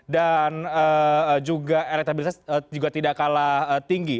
dan juga elektabilitas tidak kalah tinggi